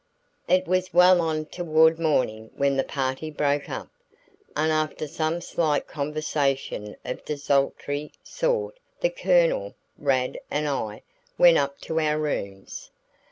It was well on toward morning when the party broke up, and after some slight conversation of a desultory sort the Colonel, Rad and I went up to our rooms.